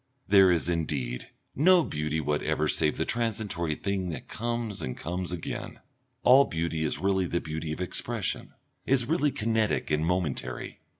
There is, indeed, no beauty whatever save that transitory thing that comes and comes again; all beauty is really the beauty of expression, is really kinetic and momentary.